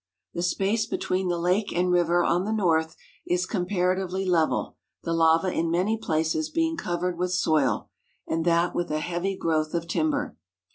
The space between the lake and river on the north is comparatively level, the lava in many places being covered with soil, and that with a heavy growth of timber.